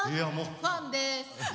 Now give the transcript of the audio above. ファンです。